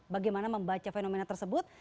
bagaimana membaca fenomena tersebut